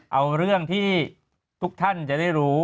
เอาเรื่องที่ทุกท่านจะได้รู้